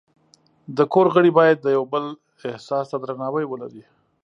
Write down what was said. د کور غړي باید د یو بل احساس ته درناوی ولري.